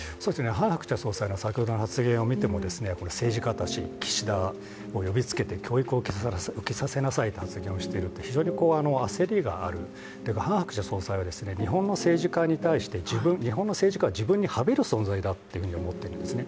ハン・ハクチャ総裁の先ほどの発言を見ても政治家たち、岸田を呼びつけて教育を受けさせなさいという発言をしている非常に焦りがある、ハン・ハクチャ総裁は日本の政治家に対して日本の政治家は自分にはべる存在だと思っているんですね。